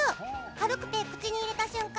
軽くて口に入れた瞬間